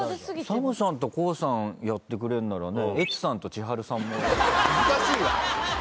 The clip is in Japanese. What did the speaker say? ＳＡＭさんとＫＯＯさんやってくれんならね。